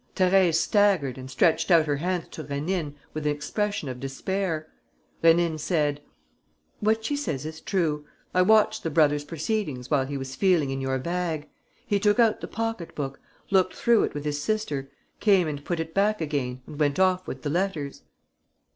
Thérèse staggered and stretched out her hands to Rénine with an expression of despair. Rénine said: "What she says is true. I watched the brother's proceedings while he was feeling in your bag. He took out the pocket book, looked through it with his sister, came and put it back again and went off with the letters."